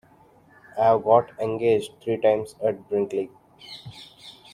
I've got engaged three times at Brinkley.